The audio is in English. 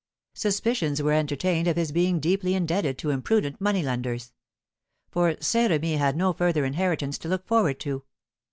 Suspicions were entertained of his being deeply indebted to imprudent money lenders; for Saint Remy had no further inheritance to look forward to.